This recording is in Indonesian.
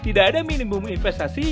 tidak ada minimum investasi